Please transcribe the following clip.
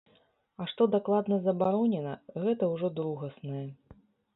А што дакладна забаронена, гэта ўжо другаснае.